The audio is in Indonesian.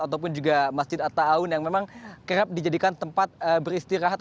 ataupun juga masjid atta aun yang memang kerap dijadikan tempat beristirahat